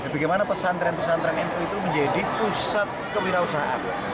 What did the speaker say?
bagaimana pesantren pesantren nu itu menjadi pusat kewirausahaan